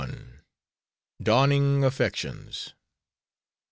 DAWNING AFFECTIONS.